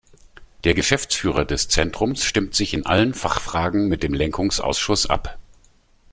Der Geschäftsführer des Zentrums stimmt sich in allen Fachfragen mit dem Lenkungsausschuss ab.